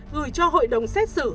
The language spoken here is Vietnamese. gửi cho hội đồng xét xử